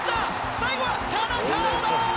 最後は田中碧だ。